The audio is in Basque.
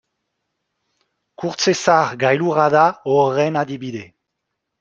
Kurtzezar gailurra da horren adibide.